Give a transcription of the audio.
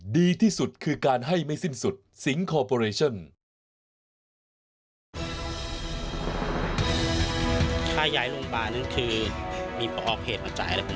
ดีที่สุดคือการให้ไม่สิ้นสุดสิงคอร์ปอเรชั่น